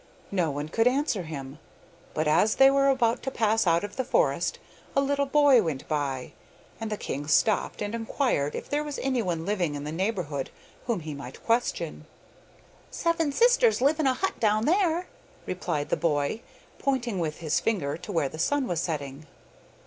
No one could answer him, but as they were about to pass out of the forest a little boy went by, and the king stopped and inquired if there was anyone living in the neighbourhood whom he might question. 'Seven girls live in a hut down there,' replied the boy, pointing with his finger to where the sun was setting.